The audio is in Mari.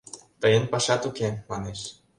— Тыйын пашат уке, — манеш.